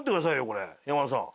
これ山田さん。